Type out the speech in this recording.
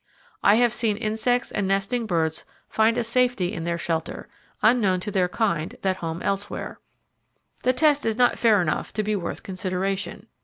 I have seen insects and nesting birds find a safety in their shelter, unknown to their kind that home elsewhere. The test is not fair enough to be worth consideration.